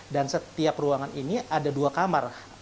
dan setiap ruangan ini ada dua kamar